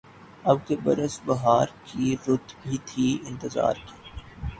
اب کے برس بہار کی‘ رُت بھی تھی اِنتظار کی